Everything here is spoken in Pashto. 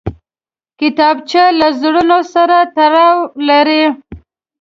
کتابچه له زړونو سره تړاو لري